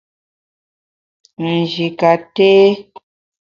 Nji ka nté.